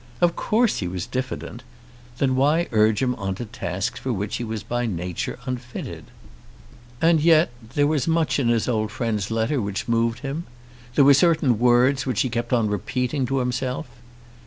Of course he was diffident. Then why urge him on to tasks for which he was by nature unfitted? And yet there was much in his old friend's letter which moved him. There were certain words which he kept on repeating to himself.